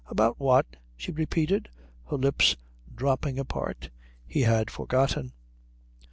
"About what?" she repeated, her lips dropping apart. He had forgotten.